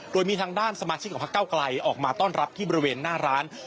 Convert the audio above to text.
โดยมีทางด้านสมาชิกของพักเก้าไกลออกมาต้อนรับที่บริเวณหน้าร้าน